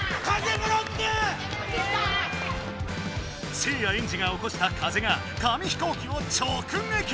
せいやエンジがおこした風が紙飛行機を直撃！